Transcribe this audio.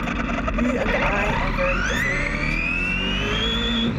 You and I are very different creatures.